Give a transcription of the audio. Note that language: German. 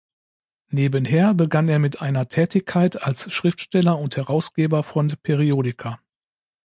Nebenher begann er mit einer Tätigkeit als Schriftsteller und Herausgeber von Periodika.